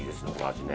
味ね。